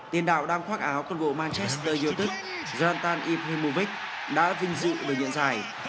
tiền đạo đam khoác áo con gỗ manchester yêu thức zlatan ibrahimovic đã vinh dự được nhận giải